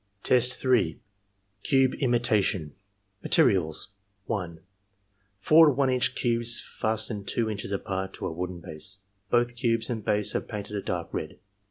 Test 3.— Cube Imitation Materials. — (1) Four 1 inch cubes fastened 2 inches apart to a wooden base. Both cubes and base are painted a dark red.